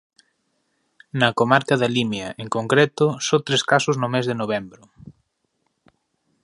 Na comarca da Limia, en concreto, só tres casos no mes de novembro.